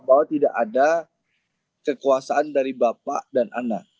bahwa tidak ada kekuasaan dari bapak dan anak